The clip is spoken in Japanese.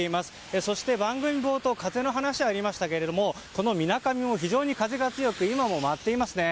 そして番組冒頭風の話がありましたがみなかみも非常に風が強く今も舞っていますね。